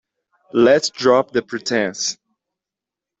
Let’s drop the pretence